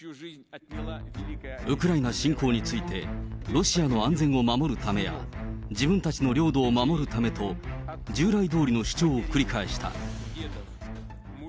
ウクライナ侵攻について、ロシアの安全を守るためや、自分たちの領土を守るためと、従来どおりの主張を繰り返した。